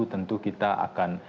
tentu kita akan